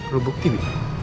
lo bukti bi